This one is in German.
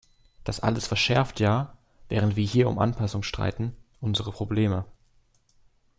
Das alles verschärft ja, während wir hier um Anpassung streiten, unsere Probleme.